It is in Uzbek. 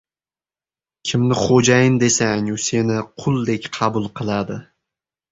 • Kimni xo‘jayin desang, u seni quldek qabul qiladi.